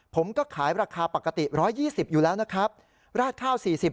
ผมก็ขายราคาปกติ๑๒๐อยู่แล้วนะครับราดข้าว๔๐